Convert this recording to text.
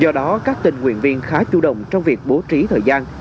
do đó các tình nguyện viên khá chủ động trong việc bố trí thời gian